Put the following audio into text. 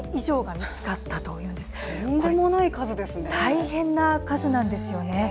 大変な数なんですよね。